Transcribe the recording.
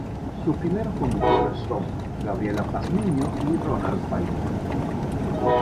Sus primeros conductores son Gabriela Pazmiño y Ronald Fariña.